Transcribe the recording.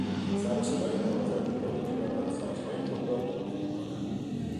سروصدای نوازندگانی که دارند سازهای خود را کوک میکنند